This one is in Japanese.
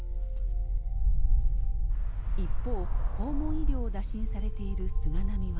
一方訪問医療を打診されている菅波は。